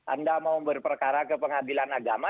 anda mau berperkara ke pengadilan agama